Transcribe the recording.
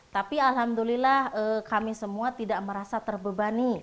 tapi alhamdulillah kami semua tidak merasa terbebani